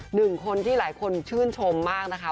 หนึ่งคนที่หลายคนชื่นชมมากนะคะ